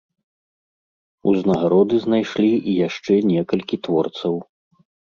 Узнагароды знайшлі і яшчэ некалькі творцаў.